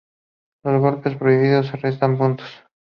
Los golpes prohibidos restan puntos.